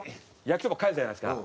焼きそば返すじゃないですか。